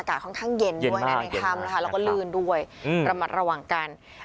อากาศค่อนข้างเย็นด้วยในทำแล้วก็ลื่นด้วยอืมระมัดระหว่างกัน